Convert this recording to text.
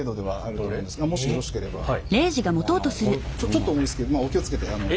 ちょっと重いんですけどお気を付けて。